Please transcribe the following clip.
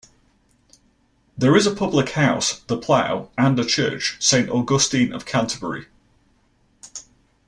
There is a Public House, "The Plough" and a Church, "Saint Augustine of Canterbury".